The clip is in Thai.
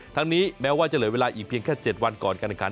ทั้งนี้แม้ว่าจะเหลือเวลาอีกเพียงแค่๗วันก่อนการแข่งขัน